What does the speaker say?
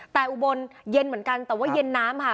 แต่อุบลเย็นเหมือนกันแต่ว่าเย็นน้ำค่ะ